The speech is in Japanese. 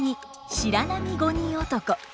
「白浪五人男」。